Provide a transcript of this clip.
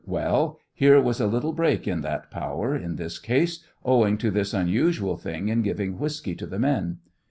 Well, here was a little break in that power, in this ease, owing to this unusual thing in giving whiskey to the men.